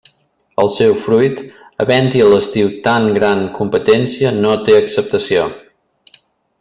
El seu fruit, havent-hi a l'estiu tan gran competència, no té acceptació.